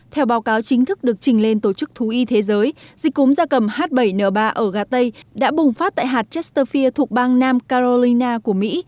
theo báo cáo chính thức được trình lên tổ chức thú y thế giới dịch cúm da cầm h bảy n ba ở gà tây đã bùng phát tại hạt chesterfield thuộc bang nam carolina của mỹ